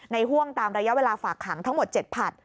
ห่วงตามระยะเวลาฝากขังทั้งหมด๗ผัด